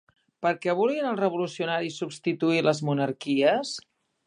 Per què volien els revolucionaris substituir les monarquies?